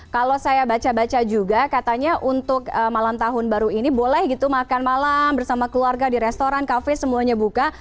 kalau saya baca baca juga katanya untuk malam tahun baru ini boleh gitu makan malam bersama keluarga di restoran kafe semuanya buka